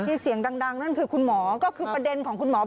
เสียงดังนั่นคือคุณหมอก็คือประเด็นของคุณหมอ